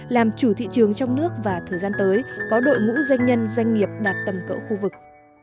làm chủ thị trường trong nước và thời gian tới có đội ngũ doanh nhân doanh nghiệp đạt tầm cỡ khu vực